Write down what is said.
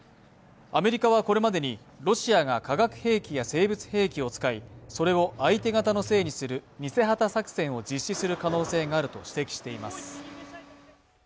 アメリカはこれまでにロシアが化学兵器や生物兵器を使いそれを相手方のせいにする偽旗作戦を実施する可能性があると指摘しています。